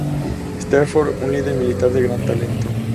Steppenwolf un líder militar de gran talento.